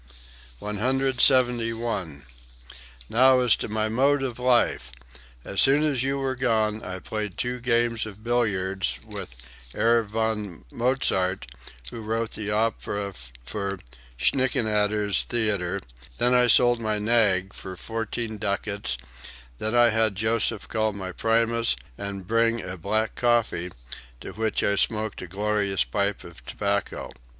171. "Now as to my mode of life: As soon as you were gone I played two games of billiards with Herr von Mozart who wrote the opera for Schickaneder's theatre; then I sold my nag for fourteen ducats; then I had Joseph call my primus and bring a black coffee, to which I smoked a glorious pipe of tobacco....